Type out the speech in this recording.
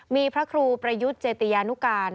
มีพระครูประยุทธ์เจติยานุการ